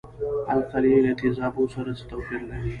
القلي له تیزابو سره څه توپیر لري.